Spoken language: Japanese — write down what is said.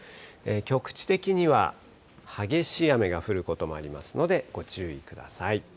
局地的には激しい雨が降ることもありますのでご注意ください。